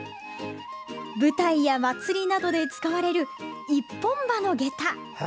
舞台や祭りなどで使われる一本歯のげた。